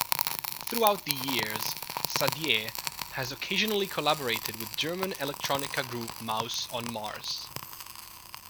Throughout the years, Sadier has occasionally collaborated with German electronica group Mouse on Mars.